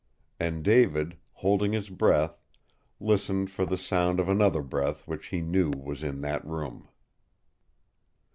And David, holding his breath, listened for the sound of another breath which he knew was in that room.